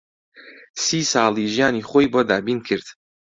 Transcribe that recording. سی ساڵی ژیانی خۆی بۆ دابین کرد